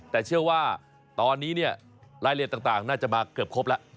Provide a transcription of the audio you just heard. แต่เชื่อว่าตอนนี้เนี่ยรายละเอียดต่างน่าจะมาเกือบครบแล้ว